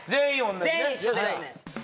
全員一緒ですね